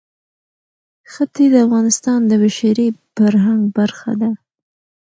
ښتې د افغانستان د بشري فرهنګ برخه ده.